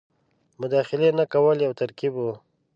مداخلې نه کولو یو ترکیب وو.